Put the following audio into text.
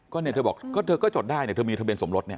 ก็เนี่ยเธอบอกก็เธอก็จดได้เนี่ยเธอมีทะเบียสมรสเนี่ย